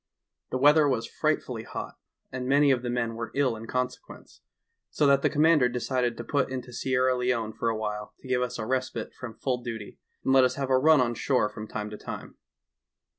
The weather was frightfully hot, and many of the men were ill in consequence, so that the com mander decided to put into Sierra Leone for awhile to give us a respite from full duty, and let us have a run on shore from time to time.